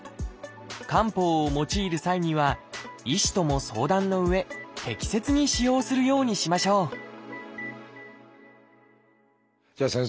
漢方を用いる際には医師とも相談のうえ適切に使用するようにしましょうじゃあ先生